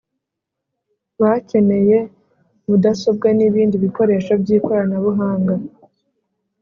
Bkeneye mudasobwa n’ibindi bikoresho by’ikoranabuhanga